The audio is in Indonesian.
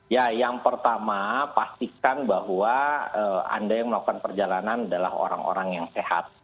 ya yang pertama pastikan bahwa anda yang melakukan perjalanan adalah orang orang yang sehat